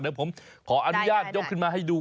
เดี๋ยวผมขออนุญาตยกขึ้นมาให้ดู